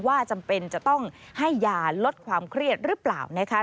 จำเป็นจะต้องให้ยาลดความเครียดหรือเปล่านะคะ